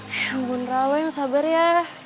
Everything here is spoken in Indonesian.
ya ampun raul yang sabar ya